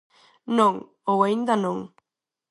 Non, ou aínda non.